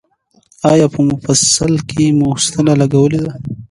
ایا په مفصل کې مو ستنه لګولې ده؟